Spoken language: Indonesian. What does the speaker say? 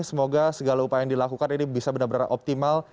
semoga segala upaya yang dilakukan ini bisa benar benar optimal